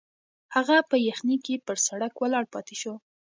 هغه په یخني کې پر سړک ولاړ پاتې شو.